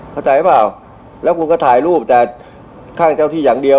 เข้าใจหรือเปล่าแล้วคุณก็ถ่ายรูปแต่ข้างเจ้าที่อย่างเดียว